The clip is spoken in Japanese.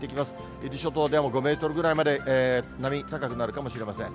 伊豆諸島でも５メートルぐらいまで、波、高くなるかもしれません。